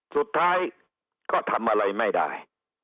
สุดท้ายก็ทำอะไรไม่ได้